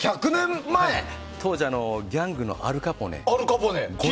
当時、ギャングのアル・カポネ。